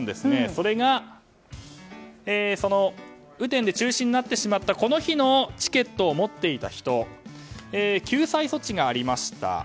それが、雨天で中止になってしまった日のチケットを持っていた人救済措置がありました。